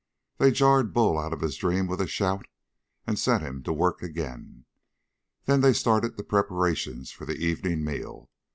They jarred Bull out of his dream with a shout and set him to work again; then they started the preparations for the evening meal.